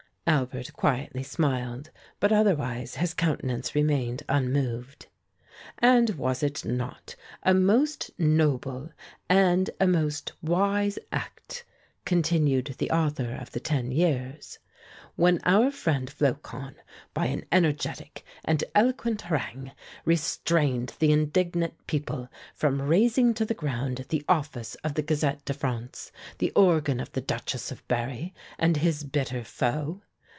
Albert quietly smiled, but otherwise his countenance remained unmoved. "And was it not a most noble and a most wise act," continued the author of "The Ten Years," "when our friend Flocon, by an energetic and eloquent harangue, restrained the indignant people from razing to the ground the office of the 'Gazette de France,' the organ of the Duchess of Berri, and his bitter foe?